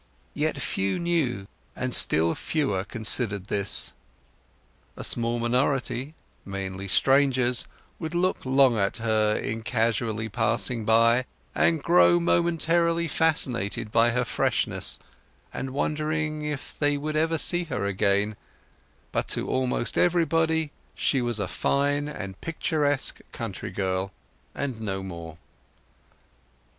Yet few knew, and still fewer considered this. A small minority, mainly strangers, would look long at her in casually passing by, and grow momentarily fascinated by her freshness, and wonder if they would ever see her again: but to almost everybody she was a fine and picturesque country girl, and no more.